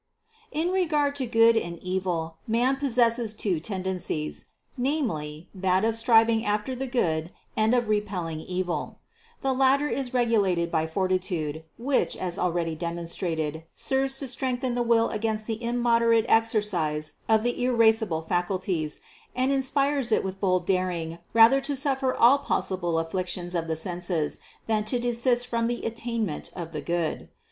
In regard to good and evil man possesses two tendencies: namely that of striving after the good and of repelling the evil; the latter is regulated by fortitude, which, as already demonstrated, serves to strengthen the will against the immoderate exercise of the irascible facul ties and inspires it with bold daring rather to suffer all possible afflictions of the senses than to desist from the attainment of the good.